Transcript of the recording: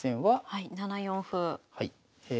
はい。